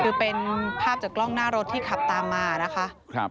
คือเป็นภาพจากกล้องหน้ารถที่ขับตามมานะคะ